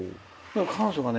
彼女がね